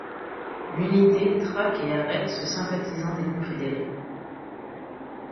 L'unité traque et arrête ce sympathisant des confédérés.